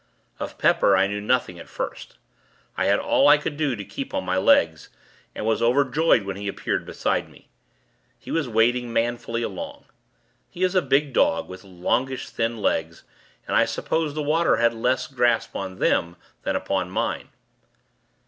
Of Pepper, I knew nothing at first. I had all I could do to keep on my legs; and was overjoyed, when he appeared beside me. He was wading manfully along. He is a big dog, with longish thin legs, and I suppose the water had less grasp on them, than upon mine.